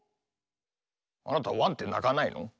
あなたワンってなかないの？